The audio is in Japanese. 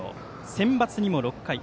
センバツにも６回。